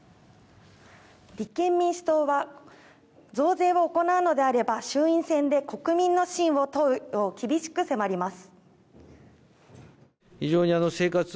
立憲民主党は増税を行うのであれば衆院選で国民の信を問うよう厳しく迫ります。